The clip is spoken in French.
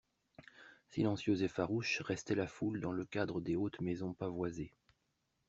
Silencieuse et farouche restait la foule dans le cadre des hautes maisons pavoisées.